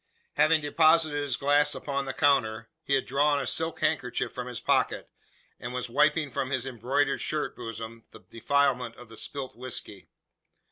Having deposited his glass upon the counter, he had drawn a silk handkerchief from his pocket, and was wiping from his embroidered shirt bosom the defilement of the spilt whisky.